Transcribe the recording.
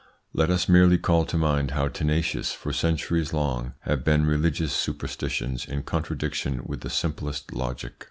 Let us merely call to mind how tenacious, for centuries long, have been religious superstitions in contradiction with the simplest logic.